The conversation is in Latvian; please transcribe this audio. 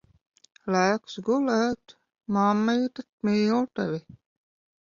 Laiks gulēt. Mammīte mīl tevi.